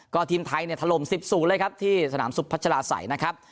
ก็ทีมไทยเนี่ยถล่ม๑๐เลยครับที่สนามสุพัชราศัยนะครับ